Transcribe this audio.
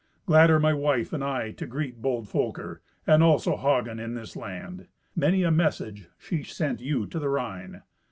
Glad are my wife and I to greet bold Folker, and also Hagen, in this land. Many a message she sent you to the Rhine."